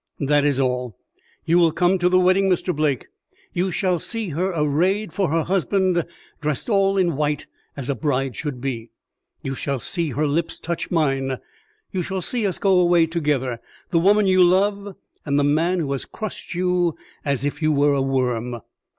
"That is all. You will come to the wedding, Mr. Blake. You shall see her arrayed for her husband, dressed all in white, as a bride should be. You shall see her lips touch mine. You shall see us go away together the woman you love, and the man who has crushed you as if you were a worm."